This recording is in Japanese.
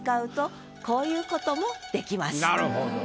なるほど。